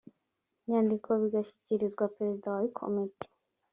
nyandiko bigashyikirizwa perezida wa komite